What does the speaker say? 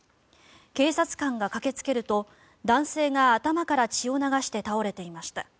警察官が駆けつけると男性が頭から血を流して倒れていました。